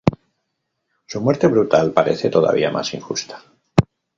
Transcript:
Su muerte brutal parece todavía más injusta.